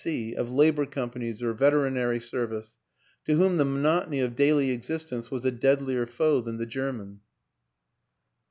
S.C., of Labor companies or Veterinary service ; to whom the monotony of daily existence was a deadlier foe than the German.